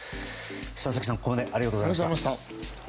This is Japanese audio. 佐々木さん、ここまでありがとうございました。